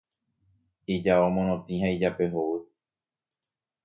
ijao morotĩ ha ijape hovy